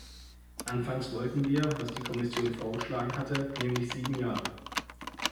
Anfangs wollten wir, was die Kommission vorgeschlagen hatte, nämlich sieben Jahre.